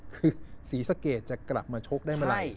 คือศรีสะเกดจะกลับมาชกได้เมื่อไหร่